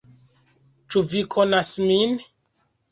"Ĉu vi konas min?"